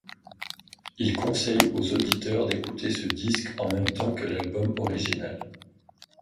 Il conseille aux auditeurs d'écouter ce disque en même temps que l'album original.